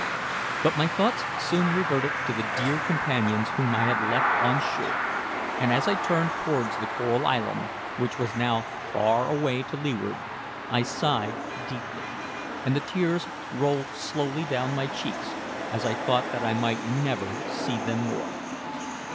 But my thoughts soon reverted to the dear companions whom I had left on shore; and as I turned towards the Coral Island, which was now far away to leeward, I sighed deeply, and the tears rolled slowly down my cheeks as I thought that I might never see them more.